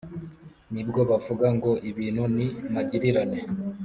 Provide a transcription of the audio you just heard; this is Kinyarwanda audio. ni bwo bavuga ngo «ibintu ni magirirane.